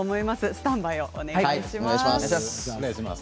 スタンバイお願いします。